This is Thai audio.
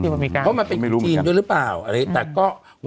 เพราะมันเป็นจีนรึเปล่าแต่ก็